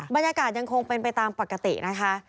บรรยากาศยังคงเป็นไปตามปกตินะคะ